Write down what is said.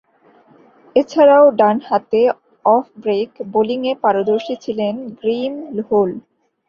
এছাড়াও, ডানহাতে off break বোলিংয়ে পারদর্শী ছিলেন গ্রেইম হোল।